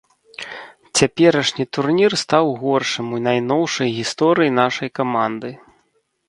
Цяперашні турнір стаў горшым у найноўшай гісторыі нашай каманды.